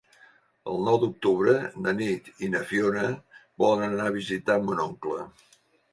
El nou d'octubre na Nit i na Fiona volen anar a visitar mon oncle.